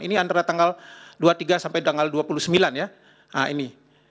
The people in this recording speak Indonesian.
ini antara tanggal dua puluh tiga sampai tanggal dua puluh sembilan ya ini